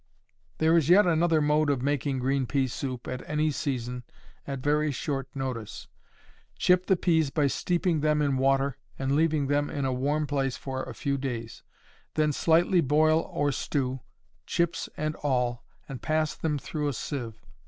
There is yet another mode of making green pea soup at any season at very short notice. Chip the peas by steeping them in water and leaving them in a warm place for a few days. Then slightly boil or stew, chips and all, and pass them through a sieve.